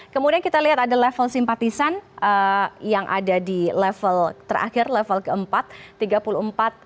kemudian kita lihat ada level simpatisan yang ada di level terakhir level keempat